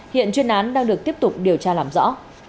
hiện chuyên án đang được tiếp tục điều tra làm rõ